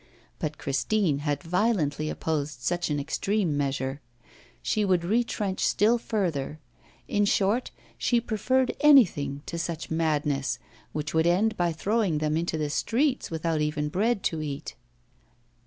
But Christine had violently opposed such an extreme measure; she would retrench still further; in short, she preferred anything to such madness, which would end by throwing them into the streets without even bread to eat.